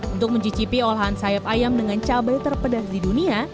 untuk mencicipi olahan sayap ayam dengan cabai terpedas di dunia